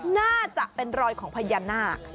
น่าจะเป็นรอยของพญานาค